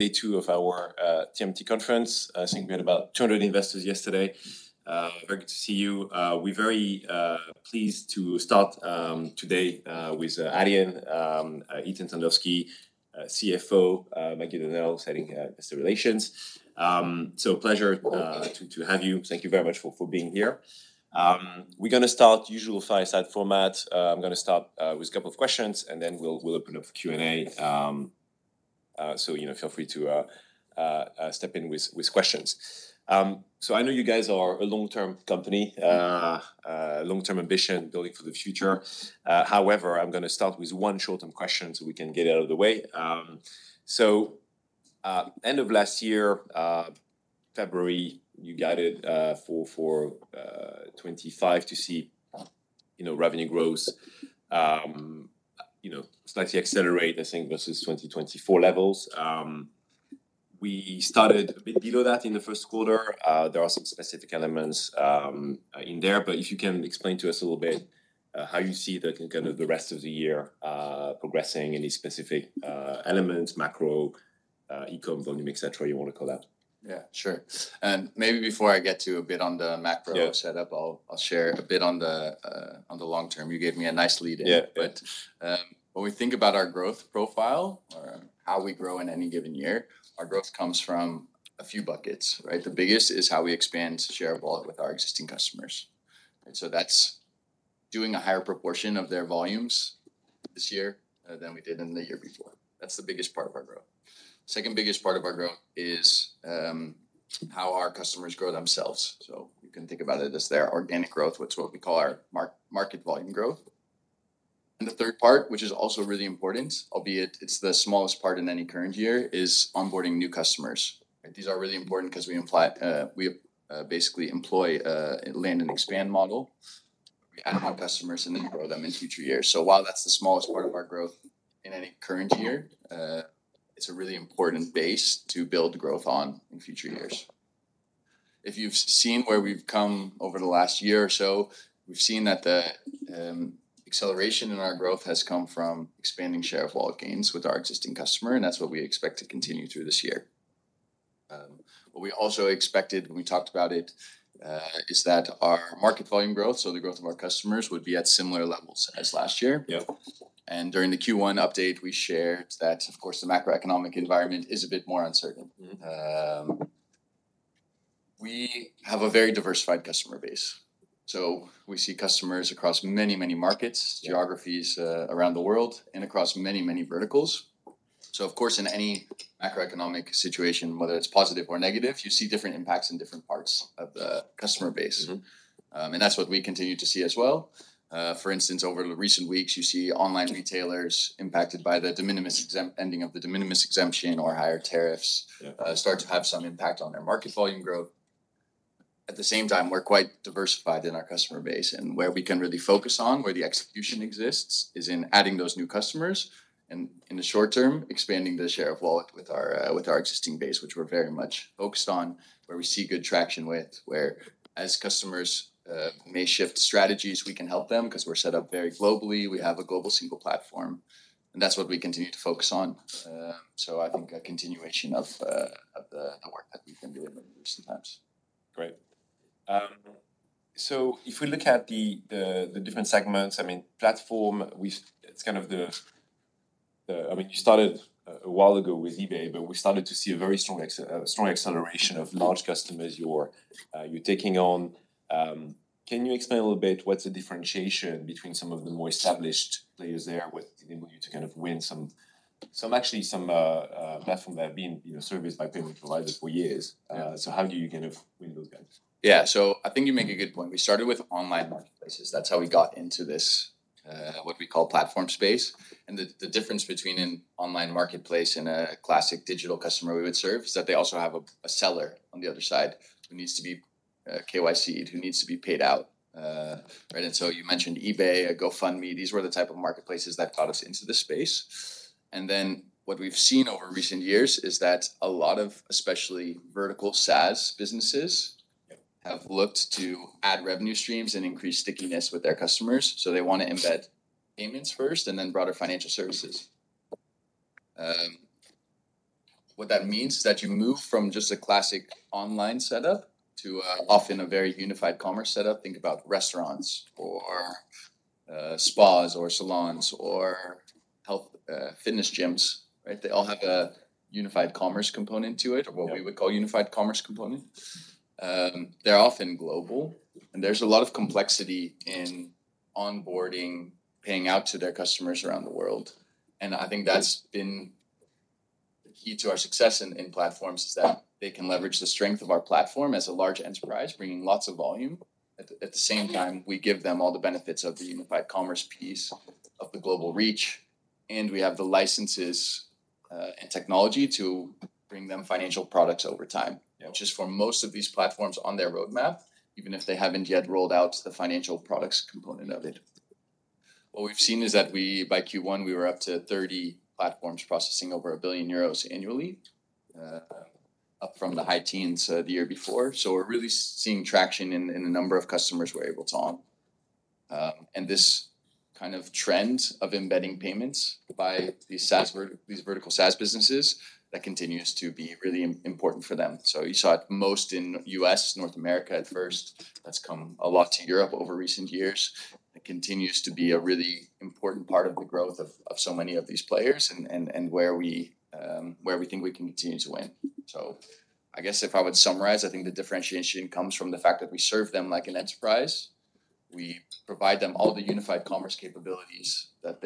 Day two of our TMT conference. I think we had about 200 investors yesterday. Very good to see you. We're very pleased to start today with Adyen, Ethan Tandowsky, CFO, Maggie O'Donnell, setting investor relations. So pleasure to have you. Thank you very much for being here. We're going to start usual fireside format. I'm going to start with a couple of questions, and then we'll open up for Q&A. Feel free to step in with questions. I know you guys are a long-term company, long-term ambition, building for the future. However, I'm going to start with one short-term question so we can get it out of the way. End of last year, February, you guided for 2025 to see revenue growth slightly accelerate, I think, versus 2024 levels. We started a bit below that in the first quarter. There are some specific elements in there, but if you can explain to us a little bit how you see the rest of the year progressing in these specific elements, macro, e-com volume, etc., you want to call that. Yeah, sure. Maybe before I get to a bit on the macro setup, I'll share a bit on the long term. You gave me a nice lead-in. When we think about our growth profile, or how we grow in any given year, our growth comes from a few buckets. The biggest is how we expand share of wallet with our existing customers. That's doing a higher proportion of their volumes this year than we did in the year before. That's the biggest part of our growth. The second biggest part of our growth is how our customers grow themselves. You can think about it as their organic growth, which is what we call our market volume growth. The third part, which is also really important, albeit it's the smallest part in any current year, is onboarding new customers. These are really important because we basically employ a land and expand model. We add more customers and then grow them in future years. While that is the smallest part of our growth in any current year, it is a really important base to build growth on in future years. If you have seen where we have come over the last year or so, we have seen that the acceleration in our growth has come from expanding share of wallet gains with our existing customer, and that is what we expect to continue through this year. What we also expected, when we talked about it, is that our market volume growth, so the growth of our customers, would be at similar levels as last year. During the Q1 update, we shared that, of course, the macroeconomic environment is a bit more uncertain. We have a very diversified customer base. We see customers across many, many markets, geographies around the world, and across many, many verticals. Of course, in any macroeconomic situation, whether it's positive or negative, you see different impacts in different parts of the customer base. That's what we continue to see as well. For instance, over the recent weeks, you see online retailers impacted by the ending of the de minimis exemption or higher tariffs start to have some impact on their market volume growth. At the same time, we're quite diversified in our customer base, and where we can really focus on, where the execution exists, is in adding those new customers and, in the short term, expanding the share of wallet with our existing base, which we're very much focused on, where we see good traction with, where as customers may shift strategies, we can help them because we're set up very globally. We have a global single platform, and that's what we continue to focus on. I think a continuation of the work that we've been doing recent times. Great. If we look at the different segments, I mean, platform, it's kind of the, I mean, you started a while ago with eBay, but we started to see a very strong acceleration of large customers you're taking on. Can you explain a little bit what's the differentiation between some of the more established players there with the ability to kind of win some, actually some platform that have been serviced by payment providers for years? How do you kind of win those guys? Yeah, so I think you make a good point. We started with online marketplaces. That's how we got into this, what we call platform space. The difference between an online marketplace and a classic digital customer we would serve is that they also have a seller on the other side who needs to be KYC, who needs to be paid out. You mentioned eBay, GoFundMe. These were the type of marketplaces that got us into the space. What we've seen over recent years is that a lot of, especially vertical SaaS businesses, have looked to add revenue streams and increase stickiness with their customers. They want to embed payments first and then broader financial services. What that means is that you move from just a classic online setup to often a very unified commerce setup. Think about restaurants or spas or salons or health fitness gyms. They all have a unified commerce component to it, or what we would call unified commerce component. They're often global, and there's a lot of complexity in onboarding, paying out to their customers around the world. I think that's been the key to our success in platforms is that they can leverage the strength of our platform as a large enterprise, bringing lots of volume. At the same time, we give them all the benefits of the unified commerce piece of the global reach, and we have the licenses and technology to bring them financial products over time, which is for most of these platforms on their roadmap, even if they haven't yet rolled out the financial products component of it. What we've seen is that by Q1, we were up to 30 platforms processing over 1 billion euros annually, up from the high teens the year before. We are really seeing traction in the number of customers we are able to on. This kind of trend of embedding payments by these vertical SaaS businesses continues to be really important for them. You saw it most in the U.S., North America at first. That has come a lot to Europe over recent years. It continues to be a really important part of the growth of so many of these players and where we think we can continue to win. If I would summarize, I think the differentiation comes from the fact that we serve them like an enterprise. We provide them all the unified commerce capabilities that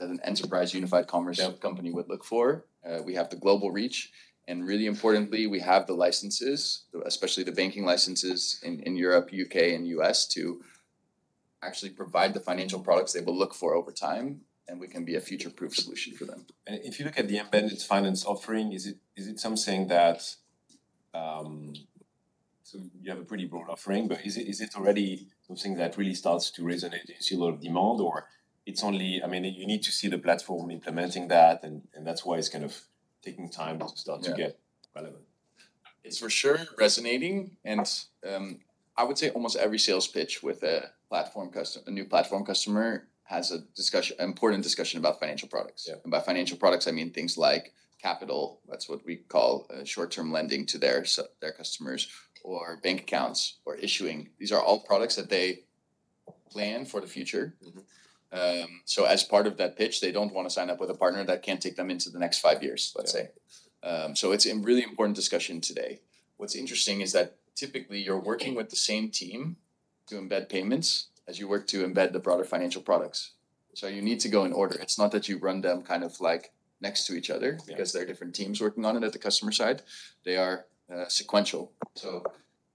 an enterprise unified commerce company would look for. We have the global reach. Really importantly, we have the licenses, especially the banking licenses in Europe, U.K., and U.S., to actually provide the financial products they will look for over time, and we can be a future-proof solution for them. If you look at the embedded finance offering, is it something that you have a pretty broad offering, but is it already something that really starts to resonate? Do you see a lot of demand, or it's only, I mean, you need to see the platform implementing that, and that's why it's kind of taking time to start to get relevant? It's for sure resonating. I would say almost every sales pitch with a new platform customer has an important discussion about financial products. By financial products, I mean things like capital. That's what we call short-term lending to their customers or bank accounts or issuing. These are all products that they plan for the future. As part of that pitch, they do not want to sign up with a partner that cannot take them into the next five years, let's say. It is a really important discussion today. What's interesting is that typically you are working with the same team to embed payments as you work to embed the broader financial products. You need to go in order. It is not that you run them kind of like next to each other because there are different teams working on it at the customer side. They are sequential.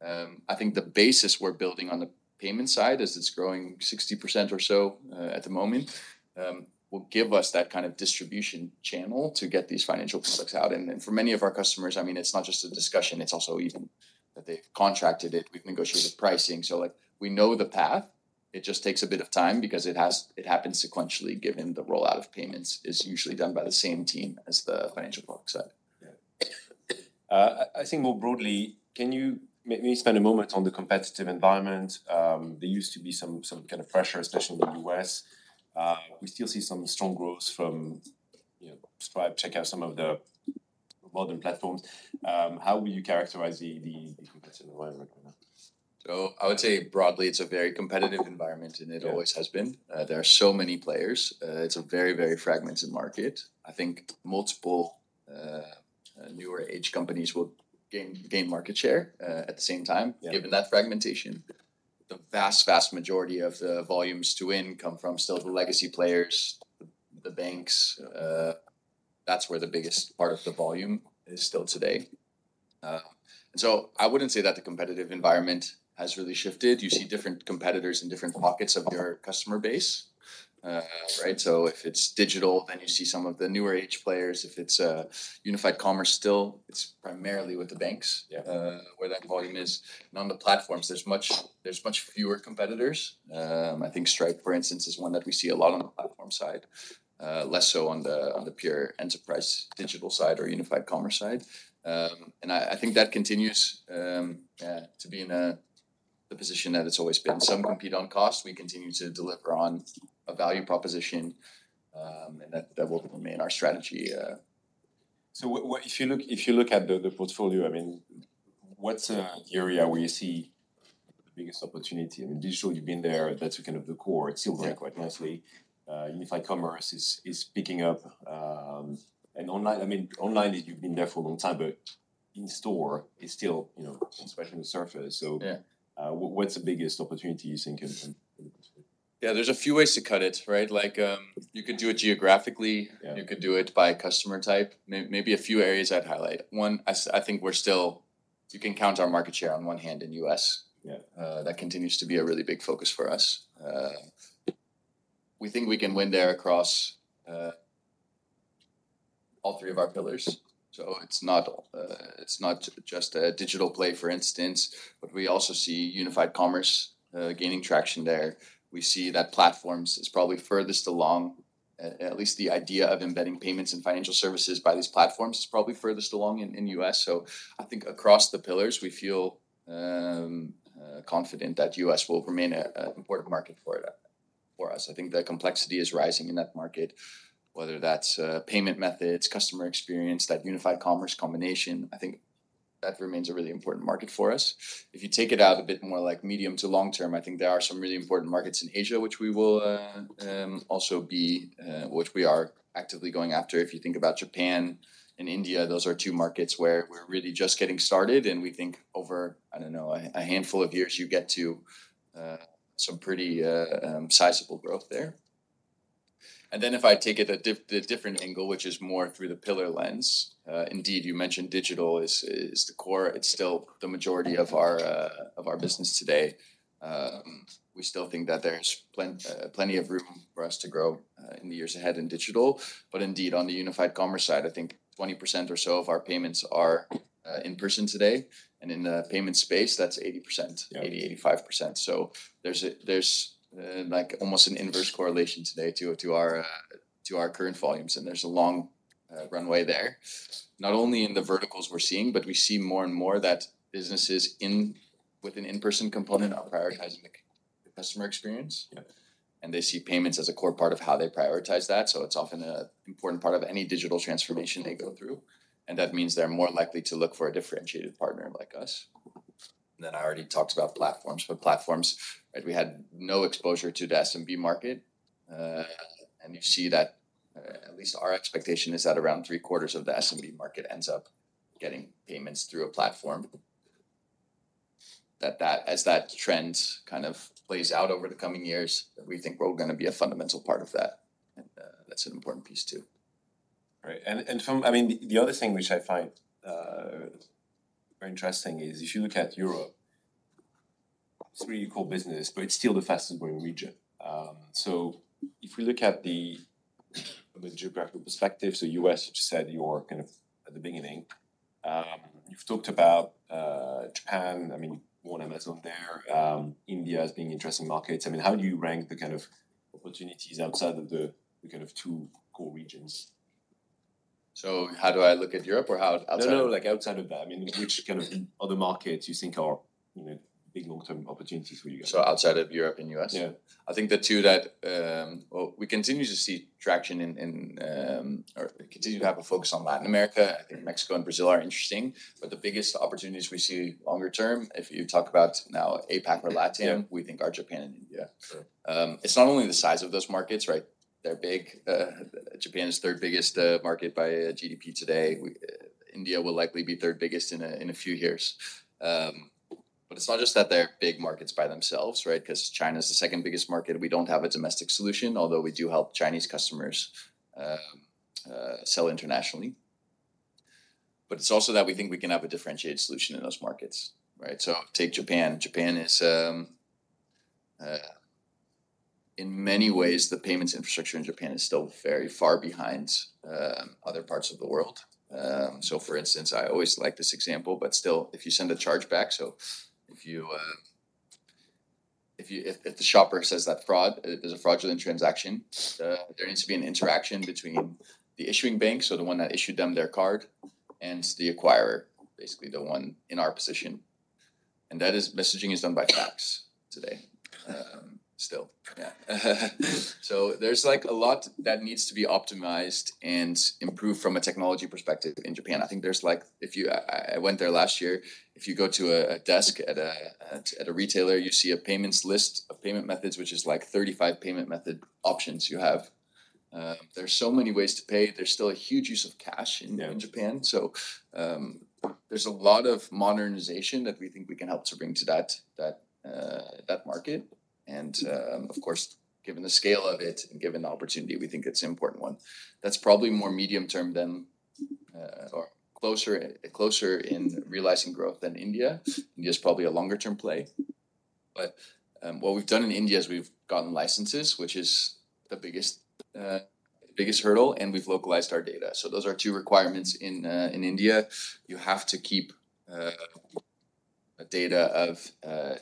I think the basis we're building on the payment side as it's growing 60% or so at the moment will give us that kind of distribution channel to get these financial products out. For many of our customers, I mean, it's not just a discussion. It's also even that they've contracted it. We've negotiated pricing. We know the path. It just takes a bit of time because it happens sequentially given the rollout of payments is usually done by the same team as the financial product side. I think more broadly, can you maybe spend a moment on the competitive environment? There used to be some kind of pressure, especially in the U.S.. We still see some strong growth from Stripe checkout, some of the modern platforms. How would you characterize the competitive environment right now? I would say broadly, it's a very competitive environment, and it always has been. There are so many players. It's a very, very fragmented market. I think multiple newer age companies will gain market share at the same time, given that fragmentation. The vast, vast majority of the volumes to win come from still the legacy players, the banks. That's where the biggest part of the volume is still today. I wouldn't say that the competitive environment has really shifted. You see different competitors in different pockets of your customer base. If it's digital, then you see some of the newer age players. If it's unified commerce, still, it's primarily with the banks where that volume is. On the platforms, there's much fewer competitors. I think Stripe, for instance, is one that we see a lot on the platform side, less so on the pure enterprise digital side or unified commerce side. I think that continues to be in the position that it's always been. Some compete on cost. We continue to deliver on a value proposition, and that will remain our strategy. If you look at the portfolio, I mean, what's an area where you see the biggest opportunity? I mean, digital, you've been there. That's kind of the core. It's still there quite nicely. Unified commerce is picking up. Online, I mean, online you've been there for a long time, but in-store is still, especially on the surface. What's the biggest opportunity you think? Yeah, there's a few ways to cut it. You could do it geographically. You could do it by customer type. Maybe a few areas I'd highlight. One, I think we're still, you can count our market share on one hand in the U.S. That continues to be a really big focus for us. We think we can win there across all three of our pillars. It's not just a digital play, for instance, but we also see unified commerce gaining traction there. We see that platforms is probably furthest along, at least the idea of embedding payments and financial services by these platforms is probably furthest along in the U.S. I think across the pillars, we feel confident that the U.S. will remain an important market for us. I think the complexity is rising in that market, whether that's payment methods, customer experience, that unified commerce combination. I think that remains a really important market for us. If you take it out a bit more like medium to long term, I think there are some really important markets in Asia, which we will also be, which we are actively going after. If you think about Japan and India, those are two markets where we're really just getting started. And we think over, I don't know, a handful of years, you get to some pretty sizable growth there. If I take it at a different angle, which is more through the pillar lens, indeed, you mentioned digital is the core. It's still the majority of our business today. We still think that there's plenty of room for us to grow in the years ahead in digital. Indeed, on the unified commerce side, I think 20% or so of our payments are in person today. In the payment space, that's 80%-85%. There is almost an inverse correlation today to our current volumes, and there is a long runway there. Not only in the verticals we are seeing, but we see more and more that businesses with an in-person component are prioritizing the customer experience, and they see payments as a core part of how they prioritize that. It is often an important part of any digital transformation they go through. That means they are more likely to look for a differentiated partner like us. I already talked about platforms, but platforms, we had no exposure to the SMB market. You see that at least our expectation is that around three quarters of the SMB market ends up getting payments through a platform. As that trend kind of plays out over the coming years, we think we're going to be a fundamental part of that. That is an important piece too. Right. I mean, the other thing which I find very interesting is if you look at Europe, it's a really cool business, but it's still the fastest growing region. If we look at the geographical perspective, U.S., which you said you were kind of at the beginning, you've talked about Japan, I mean, you want Amazon there, India as being interesting markets. I mean, how do you rank the kind of opportunities outside of the kind of two core regions? How do I look at Europe or how outside? No, no, like outside of that, I mean, which kind of other markets you think are big long-term opportunities for you guys? Outside of Europe and U.S.? Yeah. I think the two that we continue to see traction in or continue to have a focus on Latin America. I think Mexico and Brazil are interesting, but the biggest opportunities we see longer term, if you talk about now APAC or LATAM, we think are Japan and India. It's not only the size of those markets, right? They're big. Japan is third biggest market by GDP today. India will likely be third biggest in a few years. It's not just that they're big markets by themselves, right? China is the second biggest market. We don't have a domestic solution, although we do help Chinese customers sell internationally. It's also that we think we can have a differentiated solution in those markets, right? Take Japan. Japan is, in many ways, the payments infrastructure in Japan is still very far behind other parts of the world. For instance, I always like this example, but still, if you send a chargeback, so if the shopper says that there's a fraudulent transaction, there needs to be an interaction between the issuing bank, so the one that issued them their card, and the acquirer, basically the one in our position. That messaging is done by fax today still. Yeah. There is a lot that needs to be optimized and improved from a technology perspective in Japan. I think there's, like, if you—I went there last year—if you go to a desk at a retailer, you see a list of payment methods, which is like 35 payment method options you have. There are so many ways to pay. There is still a huge use of cash in Japan. There's a lot of modernization that we think we can help to bring to that market. Of course, given the scale of it and given the opportunity, we think it's an important one. That's probably more medium term or closer in realizing growth than India. India is probably a longer-term play. What we've done in India is we've gotten licenses, which is the biggest hurdle, and we've localized our data. Those are two requirements in India. You have to keep data of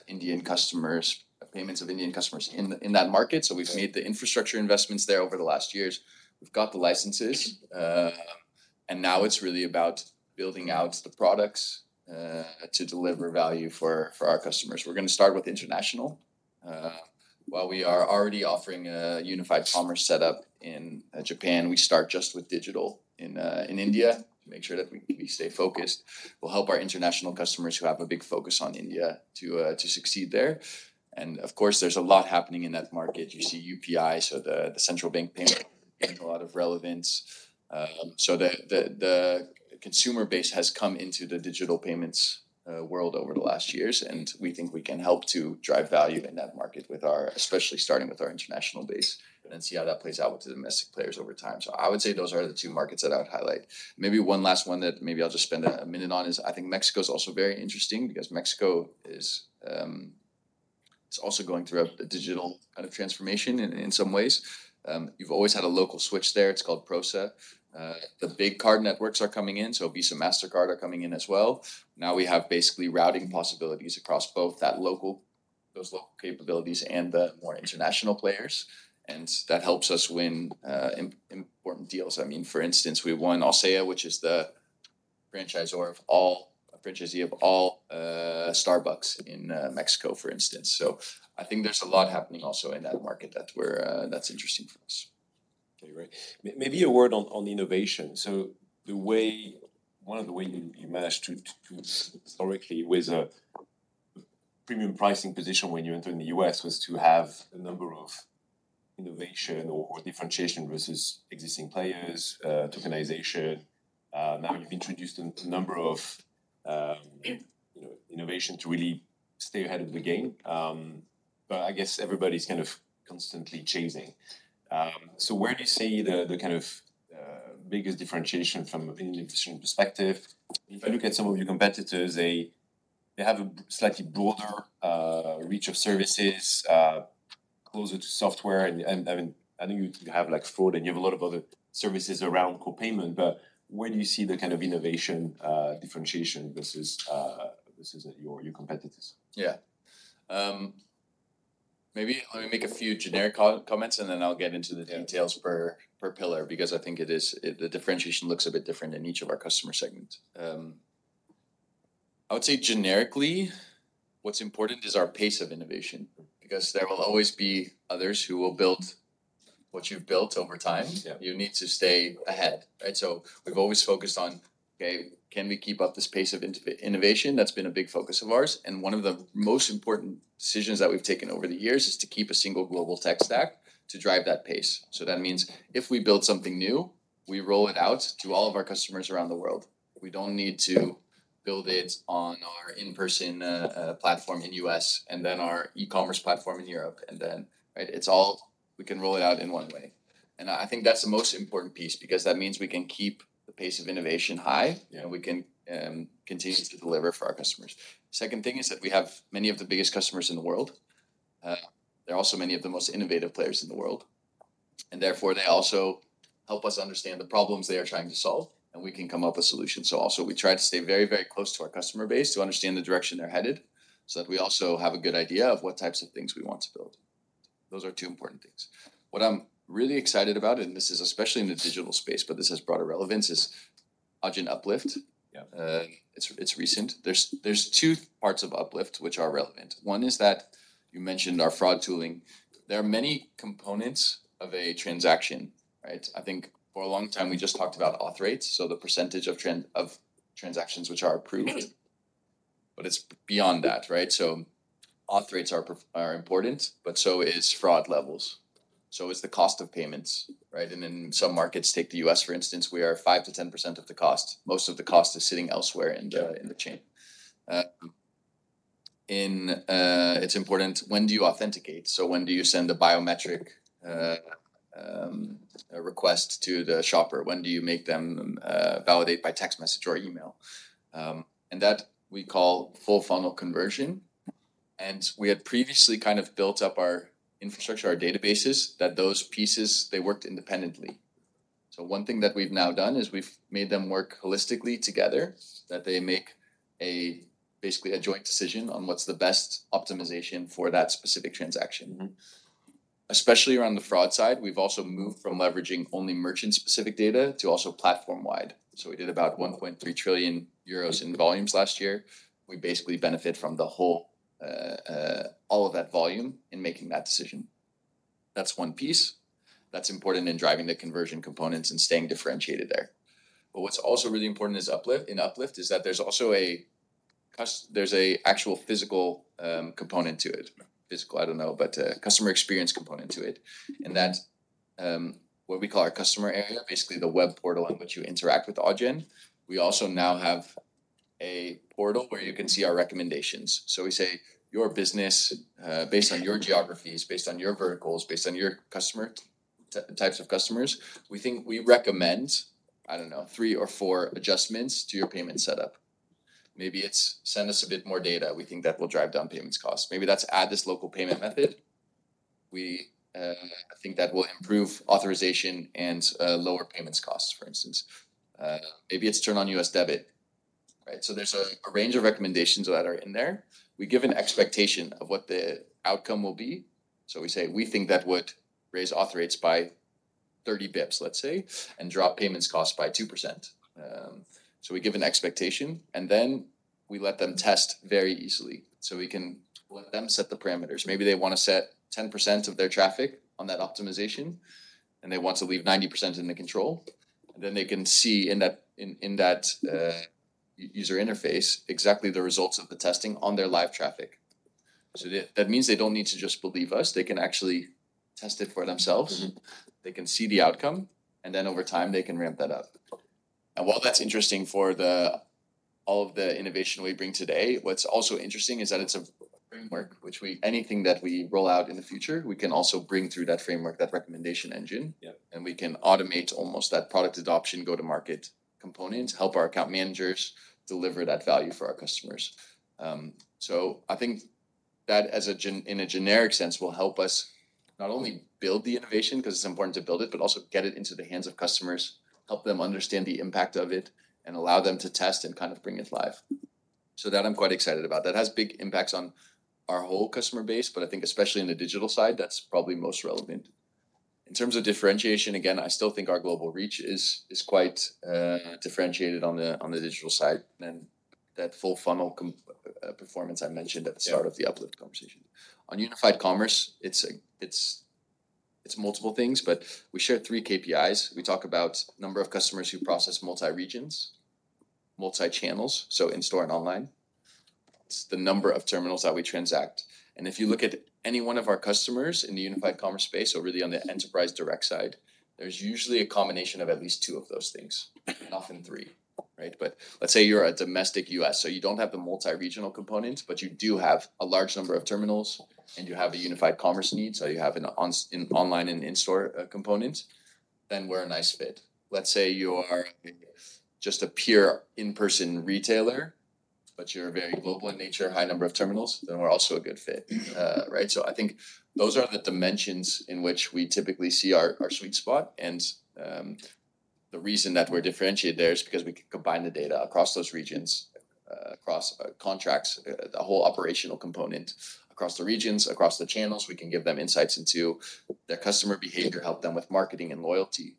Indian customers, payments of Indian customers in that market. We've made the infrastructure investments there over the last years. We've got the licenses. Now it's really about building out the products to deliver value for our customers. We're going to start with international. While we are already offering a unified commerce setup in Japan, we start just with digital in India to make sure that we stay focused. We'll help our international customers who have a big focus on India to succeed there. Of course, there's a lot happening in that market. You see UPI, so the central bank payment, a lot of relevance. The consumer base has come into the digital payments world over the last years, and we think we can help to drive value in that market with our, especially starting with our international base, and then see how that plays out with the domestic players over time. I would say those are the two markets that I would highlight. Maybe one last one that maybe I'll just spend a minute on is I think Mexico is also very interesting because Mexico is also going through a digital kind of transformation in some ways. You've always had a local switch there. It's called PROSA. The big card networks are coming in. Visa and Mastercard are coming in as well. Now we have basically routing possibilities across both those local capabilities and the more international players. That helps us win important deals. I mean, for instance, we won Alsea, which is the franchisee of all Starbucks in Mexico, for instance. I think there's a lot happening also in that market that's interesting for us. Okay, right. Maybe a word on innovation. So one of the ways you managed to historically with a premium pricing position when you entered the U.S. was to have a number of innovation or differentiation versus existing players, tokenization. Now you've introduced a number of innovation to really stay ahead of the game. But I guess everybody's kind of constantly chasing. Where do you see the kind of biggest differentiation from an innovation perspective? If I look at some of your competitors, they have a slightly broader reach of services, closer to software. I mean, I know you have like fraud and you have a lot of other services around co-payment, but where do you see the kind of innovation differentiation versus your competitors? Yeah. Maybe let me make a few generic comments, and then I'll get into the details per pillar because I think the differentiation looks a bit different in each of our customer segments. I would say generically, what's important is our pace of innovation because there will always be others who will build what you've built over time. You need to stay ahead. We've always focused on, okay, can we keep up this pace of innovation? That's been a big focus of ours. One of the most important decisions that we've taken over the years is to keep a single global tech stack to drive that pace. That means if we build something new, we roll it out to all of our customers around the world. We don't need to build it on our in-person platform in the U.S. and then our e-commerce platform in Europe. It is all we can roll it out in one way. I think that's the most important piece because that means we can keep the pace of innovation high and we can continue to deliver for our customers. The second thing is that we have many of the biggest customers in the world. There are also many of the most innovative players in the world. Therefore, they also help us understand the problems they are trying to solve, and we can come up with solutions. We try to stay very, very close to our customer base to understand the direction they're headed so that we also have a good idea of what types of things we want to build. Those are two important things. What I'm really excited about, and this is especially in the digital space, but this has broader relevance, is AgileUplift. It's recent. There are two parts of Uplift which are relevant. One is that you mentioned our fraud tooling. There are many components of a transaction. I think for a long time, we just talked about auth rates. So the percentage of transactions which are approved, but it's beyond that, right? Auth rates are important, but so are fraud levels. So is the cost of payments, right? In some markets, take the U.S., for instance, we are 5-10% of the cost. Most of the cost is sitting elsewhere in the chain. It's important. When do you authenticate? When do you send a biometric request to the shopper? When do you make them validate by text message or email? That we call full funnel conversion. We had previously kind of built up our infrastructure, our databases, that those pieces, they worked independently. One thing that we've now done is we've made them work holistically together, that they make basically a joint decision on what's the best optimization for that specific transaction. Especially around the fraud side, we've also moved from leveraging only merchant-specific data to also platform-wide. We did about 1.3 trillion euros in volumes last year. We basically benefit from all of that volume in making that decision. That's one piece. That's important in driving the conversion components and staying differentiated there. What's also really important in Uplift is that there's also an actual physical component to it. Physical, I don't know, but a customer experience component to it. That's what we call our customer area, basically the web portal on which you interact with Agile. We also now have a portal where you can see our recommendations. We say, "Your business, based on your geographies, based on your verticals, based on your customer types of customers, we think we recommend, I don't know, three or four adjustments to your payment setup. Maybe it's send us a bit more data. We think that will drive down payments costs. Maybe that's add this local payment method. We think that will improve authorization and lower payments costs, for instance. Maybe it's turn on U.S. debit." Right? There is a range of recommendations that are in there. We give an expectation of what the outcome will be. We say, "We think that would raise auth rates by 30 basis points, let's say, and drop payments costs by 2%." We give an expectation, and then we let them test very easily. We can let them set the parameters. Maybe they want to set 10% of their traffic on that optimization, and they want to leave 90% in the control. They can see in that user interface exactly the results of the testing on their live traffic. That means they do not need to just believe us. They can actually test it for themselves. They can see the outcome, and over time, they can ramp that up. While that is interesting for all of the innovation we bring today, what is also interesting is that it is a framework which anything that we roll out in the future, we can also bring through that framework, that recommendation engine, and we can automate almost that product adoption, go to market component, help our account managers deliver that value for our customers. I think that in a generic sense will help us not only build the innovation because it's important to build it, but also get it into the hands of customers, help them understand the impact of it, and allow them to test and kind of bring it live. That I'm quite excited about. That has big impacts on our whole customer base, but I think especially in the digital side, that's probably most relevant. In terms of differentiation, again, I still think our global reach is quite differentiated on the digital side. That full funnel performance I mentioned at the start of the Uplift conversation. On unified commerce, it's multiple things, but we share three KPIs. We talk about number of customers who process multi-regions, multi-channels, so in store and online. It's the number of terminals that we transact. If you look at any one of our customers in the unified commerce space, so really on the enterprise direct side, there is usually a combination of at least two of those things, not even three, right? Let's say you are a domestic U.S., so you do not have the multi-regional components, but you do have a large number of terminals and you have a unified commerce need, so you have an online and in-store component, then we are a nice fit. Let's say you are just a pure in-person retailer, but you are very global in nature, high number of terminals, then we are also a good fit, right? I think those are the dimensions in which we typically see our sweet spot. The reason that we are differentiated there is because we can combine the data across those regions, across contracts, the whole operational component across the regions, across the channels. We can give them insights into their customer behavior, help them with marketing and loyalty.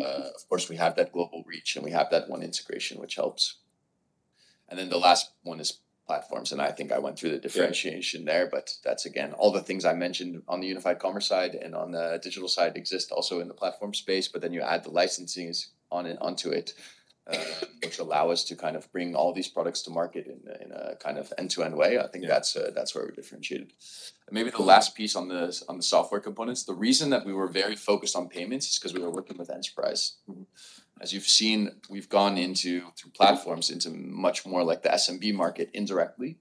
Of course, we have that global reach and we have that one integration, which helps. The last one is platforms. I think I went through the differentiation there, but that's, again, all the things I mentioned on the unified commerce side and on the digital side exist also in the platform space, but then you add the licensing onto it, which allow us to kind of bring all these products to market in a kind of end-to-end way. I think that's where we're differentiated. Maybe the last piece on the software components, the reason that we were very focused on payments is because we were working with enterprise. As you've seen, we've gone into platforms into much more like the SMB market indirectly.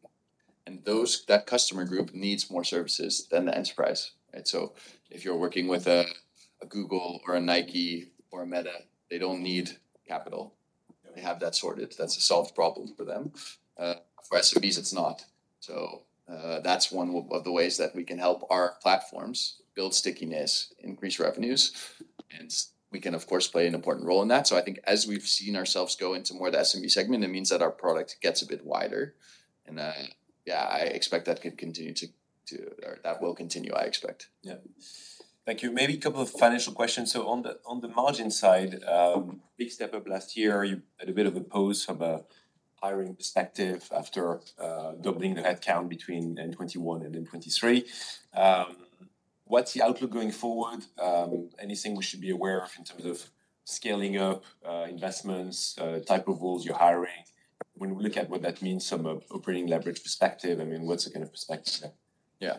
That customer group needs more services than the enterprise. If you're working with a Google or a Nike or a Meta, they don't need capital. They have that sorted. That's a solved problem for them. For SMBs, it's not. That is one of the ways that we can help our platforms build stickiness, increase revenues. We can, of course, play an important role in that. I think as we've seen ourselves go into more of the SMB segment, it means that our product gets a bit wider. I expect that will continue, I expect. Yeah. Thank you. Maybe a couple of financial questions. On the margin side, big step up last year, you had a bit of a pause from a hiring perspective after doubling the headcount between 2021 and 2023. What is the outlook going forward? Anything we should be aware of in terms of scaling up investments, type of roles you are hiring? When we look at what that means from an operating leverage perspective, I mean, what is the kind of perspective there? Yeah.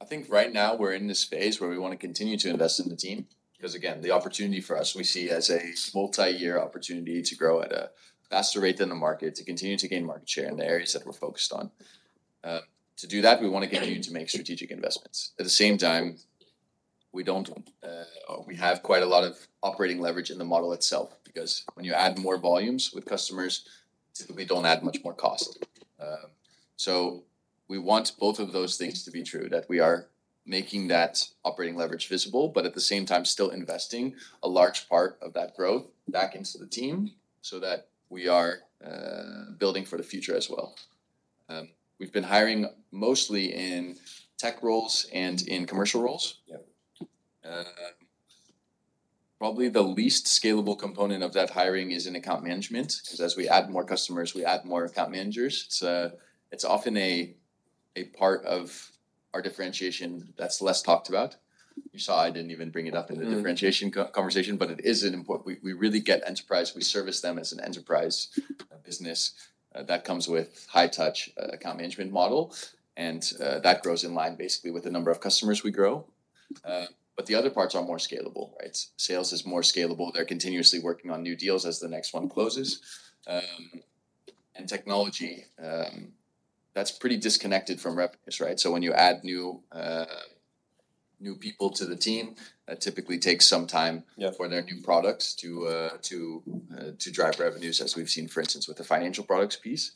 I think right now we're in this phase where we want to continue to invest in the team because, again, the opportunity for us, we see as a multi-year opportunity to grow at a faster rate than the market, to continue to gain market share in the areas that we're focused on. To do that, we want to continue to make strategic investments. At the same time, we have quite a lot of operating leverage in the model itself because when you add more volumes with customers, typically don't add much more cost. We want both of those things to be true, that we are making that operating leverage visible, but at the same time, still investing a large part of that growth back into the team so that we are building for the future as well. We've been hiring mostly in tech roles and in commercial roles. Probably the least scalable component of that hiring is in account management because as we add more customers, we add more account managers. It's often a part of our differentiation that's less talked about. You saw I didn't even bring it up in the differentiation conversation, but it is an important we really get enterprise. We service them as an enterprise business that comes with high-touch account management model. That grows in line basically with the number of customers we grow. The other parts are more scalable, right? Sales is more scalable. They're continuously working on new deals as the next one closes. Technology, that's pretty disconnected from revenues, right? When you add new people to the team, that typically takes some time for their new products to drive revenues, as we've seen, for instance, with the financial products piece.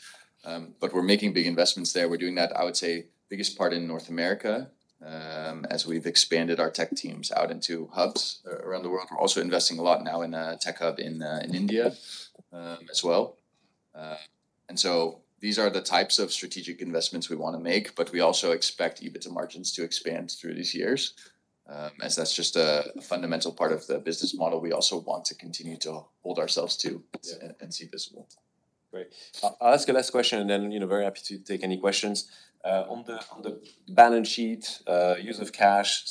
We are making big investments there. I would say the biggest part is in North America as we've expanded our tech teams out into hubs around the world. We are also investing a lot now in a tech hub in India as well. These are the types of strategic investments we want to make, but we also expect EBITDA margins to expand through these years as that's just a fundamental part of the business model we also want to continue to hold ourselves to and see visible. Great. I'll ask the last question, and then very happy to take any questions. On the balance sheet, use of cash,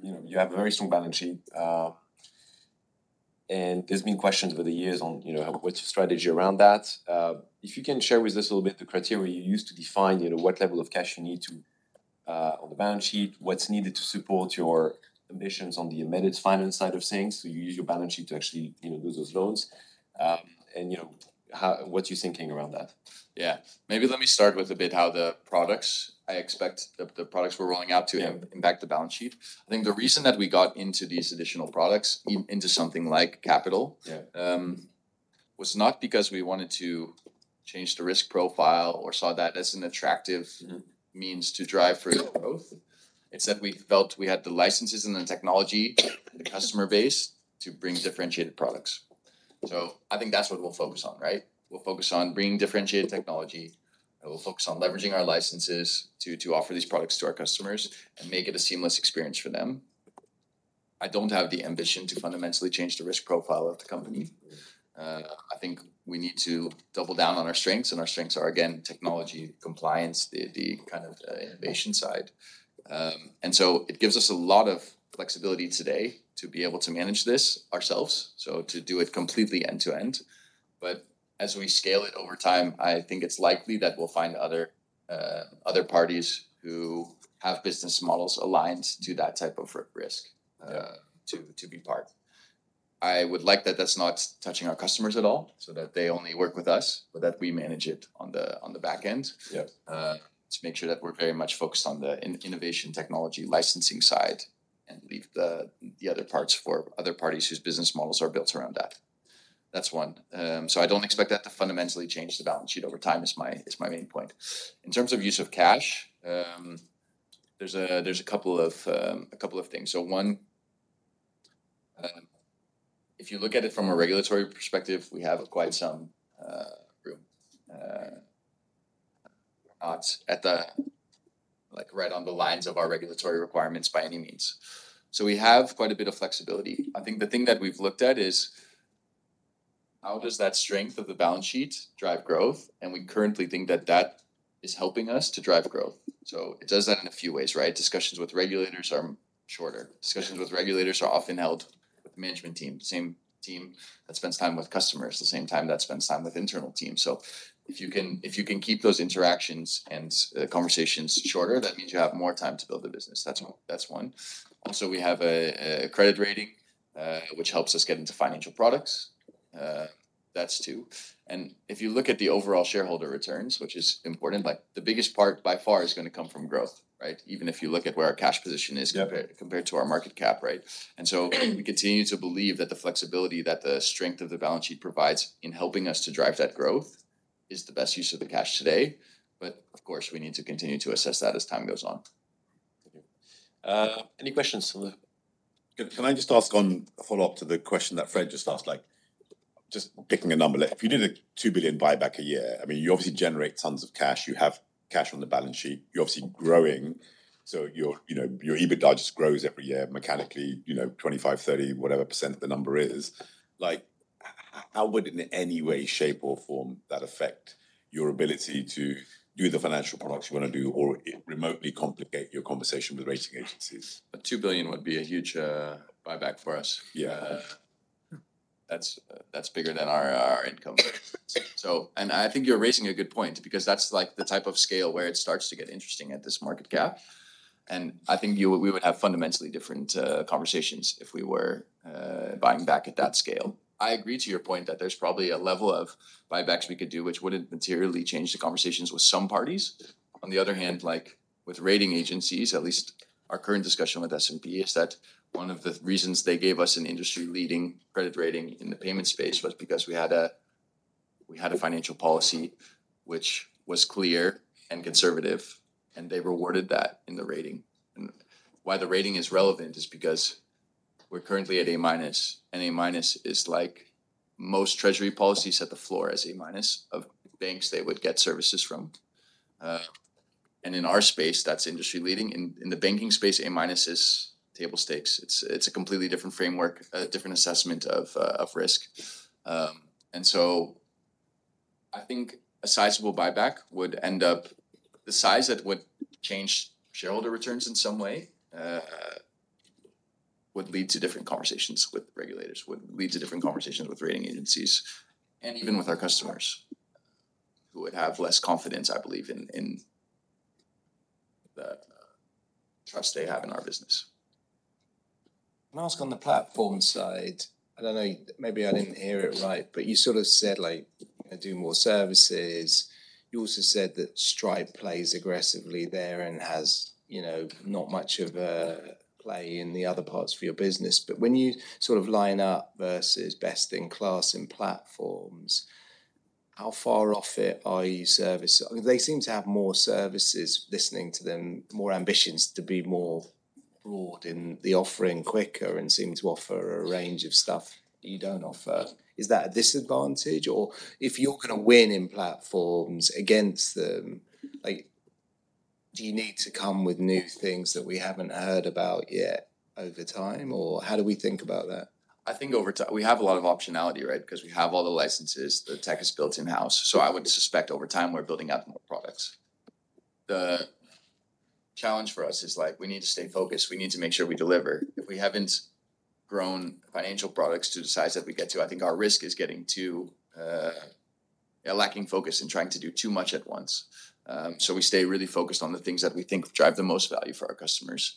you have a very strong balance sheet. There's been questions over the years on what's the strategy around that. If you can share with us a little bit the criteria you use to define what level of cash you need on the balance sheet, what's needed to support your ambitions on the embedded finance side of things. You use your balance sheet to actually do those loans. What's your thinking around that? Yeah. Maybe let me start with a bit how the products, I expect the products we're rolling out to impact the balance sheet. I think the reason that we got into these additional products, into something like Capital, was not because we wanted to change the risk profile or saw that as an attractive means to drive further growth. It's that we felt we had the licenses and the technology, the customer base to bring differentiated products. I think that's what we'll focus on, right? We'll focus on bringing differentiated technology. We'll focus on leveraging our licenses to offer these products to our customers and make it a seamless experience for them. I don't have the ambition to fundamentally change the risk profile of the company. I think we need to double down on our strengths, and our strengths are, again, technology, compliance, the kind of innovation side. It gives us a lot of flexibility today to be able to manage this ourselves, to do it completely end-to-end. As we scale it over time, I think it's likely that we'll find other parties who have business models aligned to that type of risk to be part. I would like that that's not touching our customers at all, so that they only work with us, but that we manage it on the back end to make sure that we're very much focused on the innovation technology licensing side and leave the other parts for other parties whose business models are built around that. That's one. I don't expect that to fundamentally change the balance sheet over time is my main point. In terms of use of cash, there's a couple of things. If you look at it from a regulatory perspective, we have quite some room. We're not right on the lines of our regulatory requirements by any means. We have quite a bit of flexibility. I think the thing that we've looked at is how does that strength of the balance sheet drive growth, and we currently think that that is helping us to drive growth. It does that in a few ways, right? Discussions with regulators are shorter. Discussions with regulators are often held with the management team, the same team that spends time with customers, the same team that spends time with internal teams. If you can keep those interactions and conversations shorter, that means you have more time to build the business. That's one. Also, we have a credit rating which helps us get into financial products. That's two. If you look at the overall shareholder returns, which is important, the biggest part by far is going to come from growth, right? Even if you look at where our cash position is compared to our market cap, right? We continue to believe that the flexibility that the strength of the balance sheet provides in helping us to drive that growth is the best use of the cash today. Of course, we need to continue to assess that as time goes on. Thank you. Any questions? Can I just ask on a follow-up to the question that Fred just asked? Just picking a number, if you did a $2 billion buyback a year, I mean, you obviously generate tons of cash. You have cash on the balance sheet. You're obviously growing. So your EBITDA just grows every year mechanically, 25-30%, whatever percent the number is. How would, in any way, shape or form that affect your ability to do the financial products you want to do or remotely complicate your conversation with rating agencies? $2 billion would be a huge buyback for us. Yeah. That's bigger than our income. I think you're raising a good point because that's the type of scale where it starts to get interesting at this market cap. I think we would have fundamentally different conversations if we were buying back at that scale. I agree to your point that there's probably a level of buybacks we could do which wouldn't materially change the conversations with some parties. On the other hand, with rating agencies, at least our current discussion with S&P is that one of the reasons they gave us an industry-leading credit rating in the payment space was because we had a financial policy which was clear and conservative, and they rewarded that in the rating. Why the rating is relevant is because we are currently at A-minus, and A-minus is like most treasury policies at the floor as A-minus of banks they would get services from. In our space, that is industry-leading. In the banking space, A-minus is table stakes. It is a completely different framework, a different assessment of risk. I think a sizable buyback would end up the size that would change shareholder returns in some way, would lead to different conversations with regulators, would lead to different conversations with rating agencies, and even with our customers who would have less confidence, I believe, in the trust they have in our business. Can I ask on the platform side? I don't know. Maybe I didn't hear it right, but you sort of said you're going to do more services. You also said that Stripe plays aggressively there and has not much of a play in the other parts for your business. When you sort of line up versus best in class in platforms, how far off are you? They seem to have more services listening to them, more ambitions to be more broad in the offering quicker, and seem to offer a range of stuff you don't offer. Is that a disadvantage? If you're going to win in platforms against them, do you need to come with new things that we haven't heard about yet over time? How do we think about that? I think over time, we have a lot of optionality, right? Because we have all the licenses, the tech is built in-house. I would suspect over time we're building out more products. The challenge for us is we need to stay focused. We need to make sure we deliver. If we haven't grown financial products to the size that we get to, I think our risk is getting too lacking focus and trying to do too much at once. We stay really focused on the things that we think drive the most value for our customers.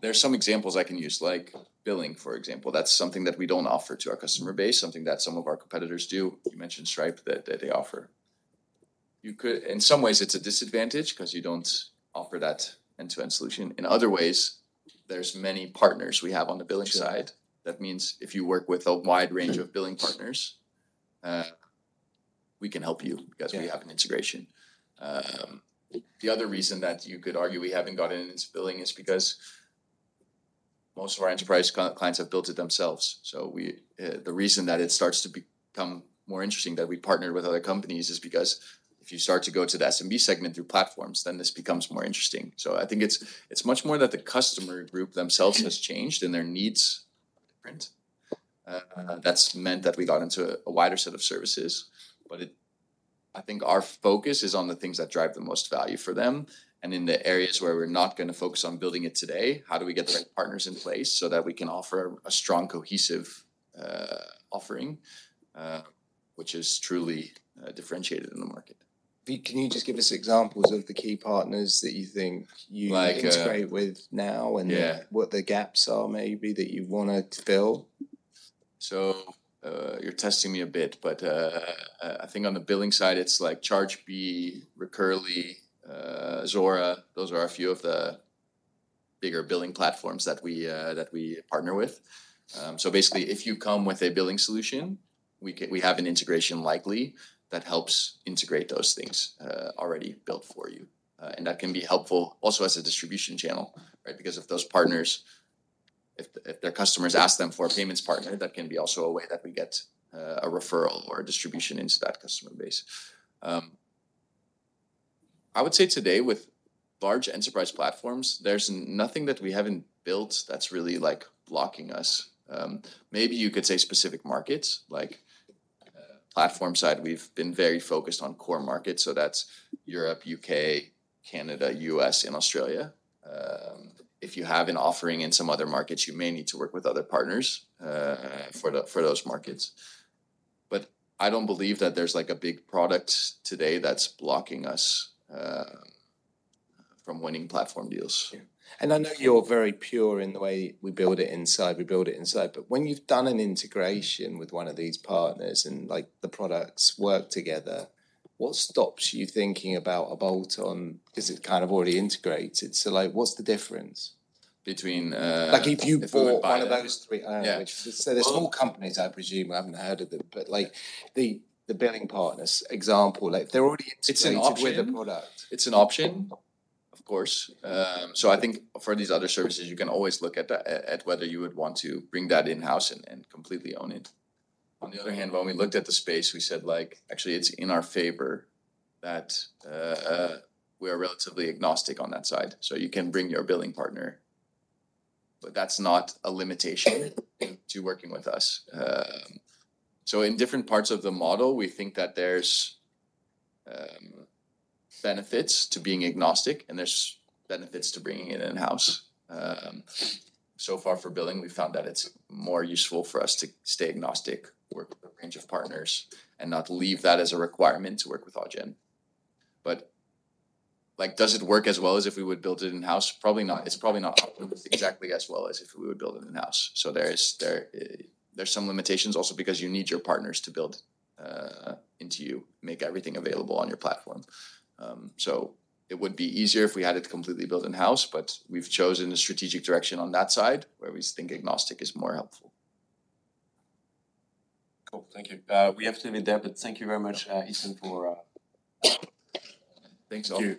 There are some examples I can use, like billing, for example. That's something that we don't offer to our customer base, something that some of our competitors do. You mentioned Stripe that they offer. In some ways, it's a disadvantage because you don't offer that end-to-end solution. In other ways, there's many partners we have on the billing side. That means if you work with a wide range of billing partners, we can help you because we have an integration. The other reason that you could argue we haven't gotten into billing is because most of our enterprise clients have built it themselves. The reason that it starts to become more interesting that we partner with other companies is because if you start to go to the SMB segment through platforms, then this becomes more interesting. I think it's much more that the customer group themselves has changed and their needs are different. That has meant that we got into a wider set of services. I think our focus is on the things that drive the most value for them. In the areas where we're not going to focus on building it today, how do we get the right partners in place so that we can offer a strong, cohesive offering, which is truly differentiated in the market? Can you just give us examples of the key partners that you think you integrate with now and what the gaps are maybe that you want to fill? You're testing me a bit, but I think on the billing side, it's like Chargebee, Recurly, Zuora. Those are a few of the bigger billing platforms that we partner with. Basically, if you come with a billing solution, we have an integration likely that helps integrate those things already built for you. That can be helpful also as a distribution channel, right? Because if those partners, if their customers ask them for a payments partner, that can be also a way that we get a referral or a distribution into that customer base. I would say today, with large enterprise platforms, there's nothing that we haven't built that's really blocking us. Maybe you could say specific markets. Platform side, we've been very focused on core markets. That's Europe, U.K., Canada, U.S., and Australia. If you have an offering in some other markets, you may need to work with other partners for those markets. I do not believe that there is a big product today that is blocking us from winning platform deals. I know you're very pure in the way we build it inside. We build it inside. When you've done an integration with one of these partners and the products work together, what stops you thinking about a bolt-on? Because it's kind of already integrated. What's the difference? Between if you bought one of those three, so the small companies, I presume I haven't heard of them, but the billing partners example, they're already integrated with the product. It's an option. It's an option, of course. I think for these other services, you can always look at whether you would want to bring that in-house and completely own it. On the other hand, when we looked at the space, we said, actually, it's in our favor that we're relatively agnostic on that side. You can bring your billing partner, but that's not a limitation to working with us. In different parts of the model, we think that there's benefits to being agnostic, and there's benefits to bringing it in-house. So far for billing, we found that it's more useful for us to stay agnostic, work with a range of partners, and not leave that as a requirement to work with Adyen. Does it work as well as if we would build it in-house? Probably not. It's probably not exactly as well as if we would build it in-house. So there's some limitations also because you need your partners to build into you, make everything available on your platform. It would be easier if we had it completely built in-house, but we've chosen a strategic direction on that side where we think agnostic is more helpful. Cool. Thank you. We have to leave it there, but thank you very much, Ethan, for. Thanks. Thank you.